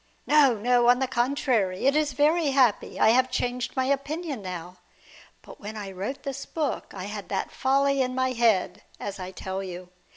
No, no; on the contrary, it is very happy. I have changed my opinion now. But when I wrote this book I had that folly in my head, as I tell you.